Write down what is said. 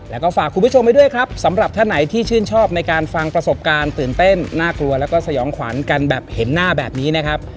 แล้วก็ฝากคุณผู้ชมไว้ด้วยครับสำหรับท่านไหนที่ชื่นชอบในการฟังประสบการณ์ตื่นเต้นน่ากลัวแล้วก็สยองขวัญกันแบบเห็นหน้าแบบนี้นะครับ